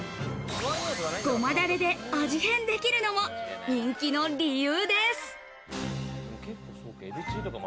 ごまだれで味変できるのも人気の理由です。